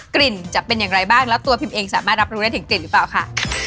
กลิ่นจะเป็นอย่างไรบ้างแล้วตัวพิมเองสามารถรับรู้ได้ถึงกลิ่นหรือเปล่าค่ะ